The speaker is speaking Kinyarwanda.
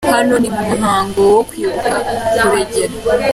Hano ni mumuhango wo kwibuka Karegeya